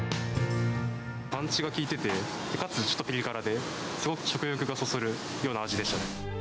パンチがきいてて、かつちょっとピリ辛で、すごく食欲がそそるような味でしたね。